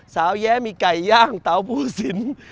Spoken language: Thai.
แย้มีไก่ย่างเตาผู้สิน